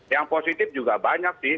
yang positif juga banyak sih